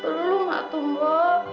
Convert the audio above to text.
belum mbak tumbo